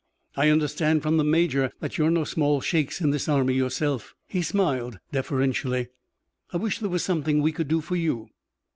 I understand from the major that you're no small shakes in this army yourself." He smiled deferentially. "I wish there was something we could do for you."